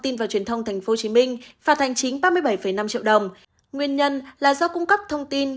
tin và truyền thông tp hcm phạt hành chính ba mươi bảy năm triệu đồng nguyên nhân là do cung cấp thông tin